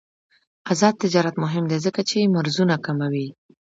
آزاد تجارت مهم دی ځکه چې مرزونه کموي.